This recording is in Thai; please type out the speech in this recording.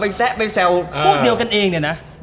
พวกเดียวกันเองเนี่ยนะ